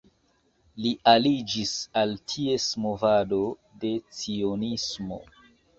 Li aliĝis al ties movado de Cionismo.